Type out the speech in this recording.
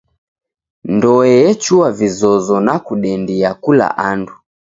Ndoe echua vizozo nakudendia kula andu.